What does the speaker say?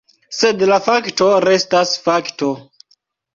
Sed la fakto restas fakto.